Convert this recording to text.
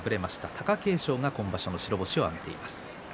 貴景勝が今場所の白星を挙げました。